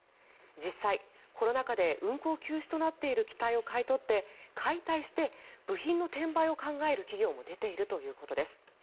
実際、コロナ禍で運航休止となっている機体を買い取って解体して部品の転売を考える企業も出ているということです。